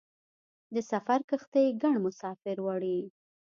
د سفر کښتۍ ګڼ مسافر وړي.